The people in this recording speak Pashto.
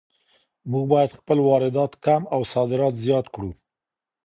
مونږ بايد خپل واردات کم او صادرات زيات کړو.